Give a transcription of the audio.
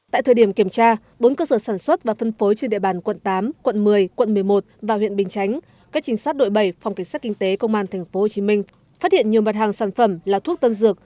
tại thời điểm kiểm tra bốn cơ sở sản xuất và phân phối trên địa bàn quận tám quận một mươi quận một mươi một và huyện bình chánh các trình sát đội bảy phòng cảnh sát kinh tế công an tp hcm phát hiện nhiều mặt hàng sản phẩm là thuốc tân dược